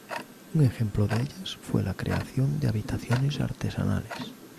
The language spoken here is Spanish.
Un ejemplo de ellas fue la creación de habitaciones artesanales.